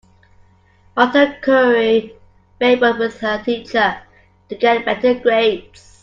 Marta curry favored with her teacher to get better grades.